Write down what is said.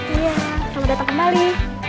iya sama datang kembali